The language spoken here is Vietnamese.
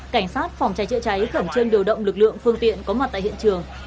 cảnh sát phòng cháy chữa cháy khẩn trương điều động lực lượng phương tiện có mặt tại hiện trường